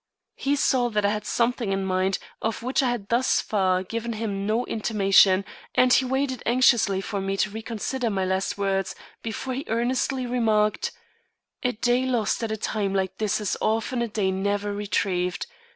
He saw that I had something in mind of which I had thus far given him no intimation, and he waited anxiously for me to reconsider my last words before he earnestly remarked: "A day lost at a time like this is often a day never retrieved.